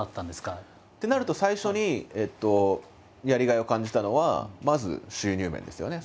ってなると最初にやりがいを感じたのはまず収入面ですよね。